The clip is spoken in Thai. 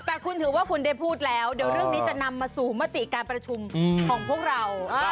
แต่คุณถือว่าคุณได้พูดแล้วเดี๋ยวเรื่องนี้จะนำมาสู่มติการประชุมของพวกเรา